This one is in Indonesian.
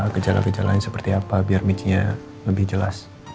gejala gejala lain seperti apa biar michinya lebih jelas